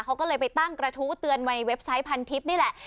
เขาก็เลยไปตั้งกระทู้เตือนไว้ในเว็บไซต์พันทิพย์นี่แหละ